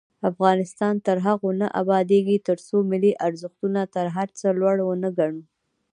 افغانستان تر هغو نه ابادیږي، ترڅو ملي ارزښتونه تر هر څه لوړ ونه ګڼو.